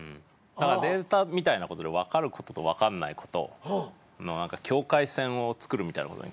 データみたいなことで分かることと分かんないことの境界線を作るみたいなことに興味がある。